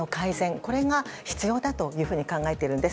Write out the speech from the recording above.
これが必要だと考えているんです。